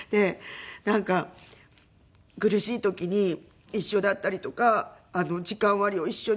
なんか「苦しい時に一緒だったりとか時間割を一緒に」。